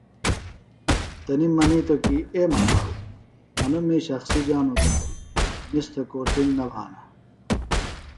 تنِم منِیتوۡ کیۡ اے ماما انوۡ مِیش اخسی جانوۡ تہ نِس تھےۡ کو ٹِنگ نہ بھانہ